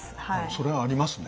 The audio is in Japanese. それはありますね。